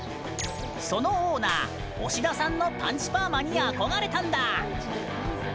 そのオーナー押田さんのパンチパーマに憧れたんだ。